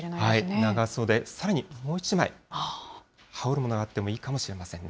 長袖、さらにもう一枚、羽織るものがあってもいいかもしれませんね。